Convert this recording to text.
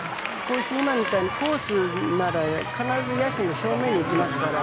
今みたいに、コースに投げれば、必ず野手の正面に落ちますから。